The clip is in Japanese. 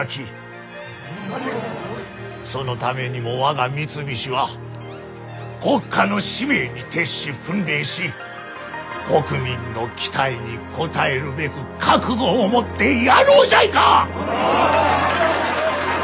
そのためにも我が三菱は国家の使命に徹し奮励し国民の期待に応えるべく覚悟を持ってやろうじゃいか！